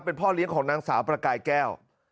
เป็นพ่อเลี้ยงของนางสาวประกายแก้ว